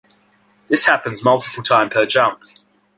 This happens multiple times per jump.